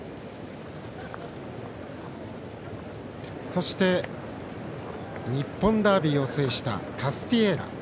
そして、日本ダービーを制したタスティエーラ。